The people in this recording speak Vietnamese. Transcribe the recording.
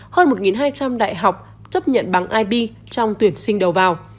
hơn một hai trăm linh đại học chấp nhận bằng ib trong tuyển sinh đầu vào